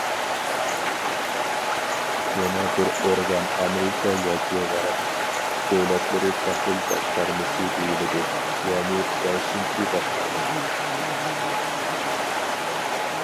يەنە بىر ئورگان ئامېرىكا ياكى غەرب دۆلەتلىرى تەھلىل باشقارمىسى دېيىلىدۇ، يەنى بەشىنچى باشقارما.